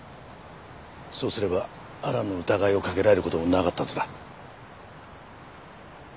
そうすればあらぬ疑いをかけられる事もなかったはずだ。